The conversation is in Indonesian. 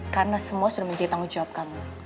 karena semua sudah menjadi tanggung jawab kamu